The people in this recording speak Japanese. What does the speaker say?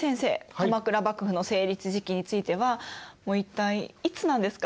鎌倉幕府の成立時期についてはもう一体いつなんですか？